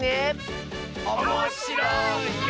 おもしろいよ！